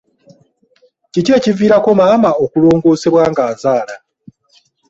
Kiki ekyavirideko maama okulongosebwa ng'azaala?